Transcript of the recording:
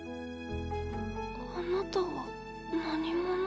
あなたは何者？